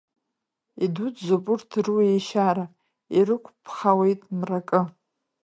Идуӡӡоуп урҭ руеишьара, ирықәԥхауеит мракы.